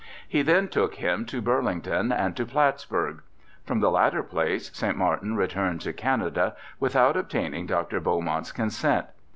He then took him to Bur lington and to Plattsburgh. From the latter place St Martin returned to Canada, without obtaining Dr. Beau mont's consent.